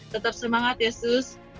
tetap semangat yesus